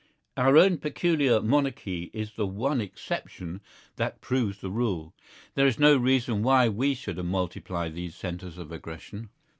Our own peculiar monarchy is the one exception that proves this rule. There is no reason why we should multiply these centres of aggression.